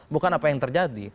bukan apa yang terjadi